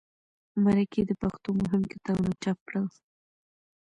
مرکې د پښتو مهم کتابونه چاپ کړل.